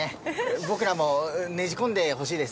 僕らもねじ込んでほしいです。